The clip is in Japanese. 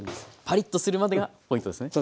パリッとするまでがポイントですね。